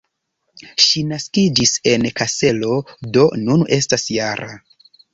Ŝi naskiĝis en Kaselo, do nun estas -jara.